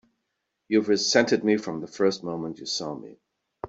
You've resented me from the first moment you saw me!